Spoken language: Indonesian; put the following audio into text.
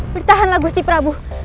bertahanlah gusti prabu